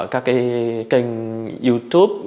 các kênh youtube